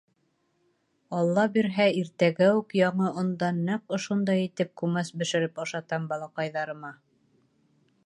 — Алла бирһә, иртәгә үк яңы ондан нәҡ ошондай итеп күмәс бешереп ашатам балаҡайҙарыма.